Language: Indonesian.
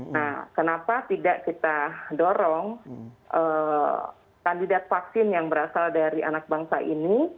nah kenapa tidak kita dorong kandidat vaksin yang berasal dari anak bangsa ini